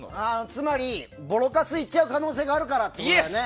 つまり、ボロカス言っちゃう可能性があるからってことだね。